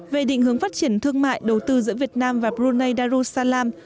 về định hướng phát triển thương mại đầu tư giữa việt nam và brunei darussalam